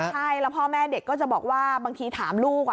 ใช่แล้วพ่อแม่เด็กก็จะบอกว่าบางทีถามลูก